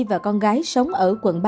và con gái sống ở quận ba